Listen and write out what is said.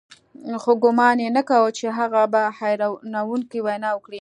خو ګومان يې نه کاوه چې هغه به حيرانوونکې وينا وکړي.